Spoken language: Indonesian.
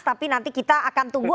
tapi nanti kita akan tunggu